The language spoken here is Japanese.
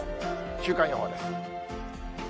週間予報です。